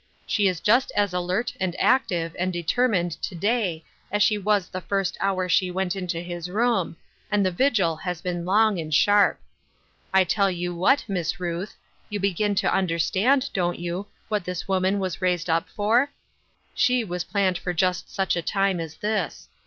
She is just as alert and active and determined to day as she was the first hour she went into his room, and the vigil has been long and sharp. I tell you what. Miss Ruth, you begin to understand, don't you, what this woman was raised up for ? She was planned for just such a time as this.